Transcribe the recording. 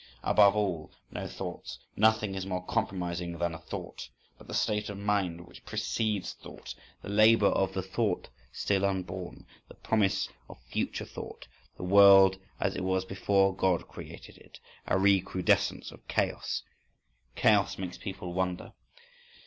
Above all, no thoughts! Nothing is more compromising than a thought! But the state of mind which precedes thought, the labour of the thought still unborn, the promise of future thought, the world as it was before God created it—a recrudescence of chaos.… Chaos makes people wonder.